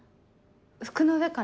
服の上から？